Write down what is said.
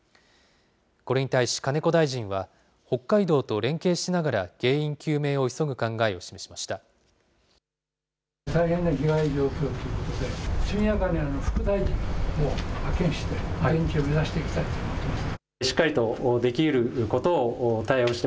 これに対し金子大臣は、北海道と連携しながら、原因究明を急ぐ考えを示しました。